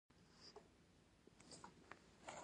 ابن سینا په کوم پړاو کې دیني علوم پای ته ورسول.